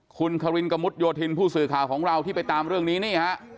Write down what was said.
คุณคารินกระมุดโยธินผู้สื่อข่าวของเราที่ไปตามเรื่องนี้นี่ฮะ